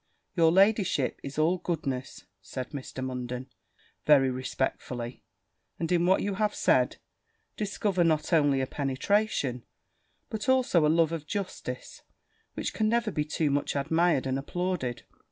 'Your ladyship is all goodness,' said Mr. Munden, very respectfully; 'and, in what you have said, discover not only a penetration, but also a love of justice, which can never be too much admired and applauded.